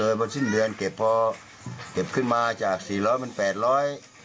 เพราะสิ้นเดือนเก็บพอเก็บขึ้นมาจากสี่ร้อยเป็นแปดร้อย